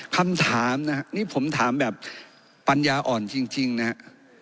คำถามนะฮะนี่ผมถามแบบปัญญาอ่อนจริงนะฮะ